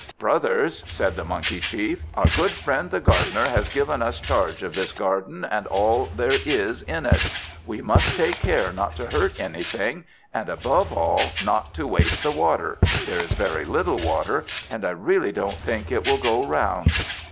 "Brothers," said the Monkey chief, "our good friend, the gardener has given us charge of this garden and all there is in it. We must take care not to hurt anything, and, above all, not to waste the water. There is very little water, and I really don't think it will go round."